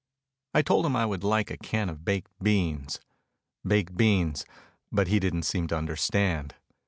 I told him I would like a can of baked beans. Baked beans, but he didn't seem to understand.